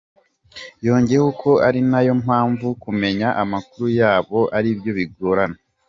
Yongeyeho ko ari nayo mpamvu kumenya amakuru y’ababo bariyo bigorana.